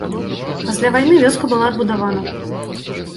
Пасля вайны вёска была адбудавана.